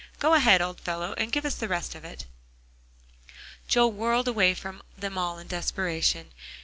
Go ahead, old fellow, and give us the rest of it." Joel whirled away from them all in desperation.